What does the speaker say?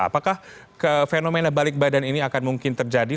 apakah fenomena balik badan ini akan mungkin terjadi